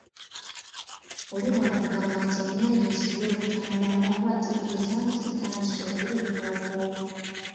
Oli bw'akugamba nti ennyanja esibye obutambaala aba ategeeza nti etandise okuleeta obwovu